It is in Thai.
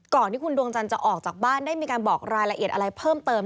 ก่อนที่คุณดวงจันทร์จะออกจากบ้านได้มีการบอกรายละเอียดอะไรเพิ่มเติม